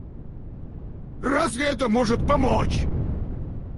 Разве это может помочь?